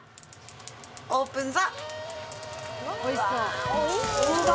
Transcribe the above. オープンザ。